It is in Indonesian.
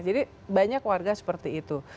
jadi banyak warga seperti itu